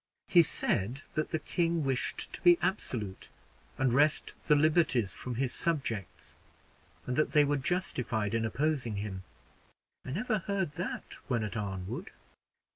He said that the king wished to be absolute, and wrest the liberties from his subjects, and that they were justified in opposing him; I never heard that when at Arnwood."